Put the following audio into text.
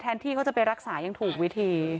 ที่เขาจะไปรักษายังถูกวิธี